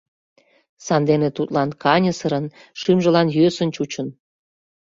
Сандене тудлан каньысырын, шӱмжылан йӧсын чучын.